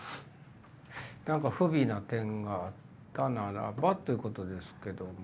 何か不備な点があったならばということですけども。